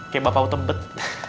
kayak bapak utembet